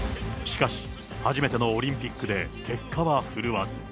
しかし初めてのオリンピックで、結果は振るわず。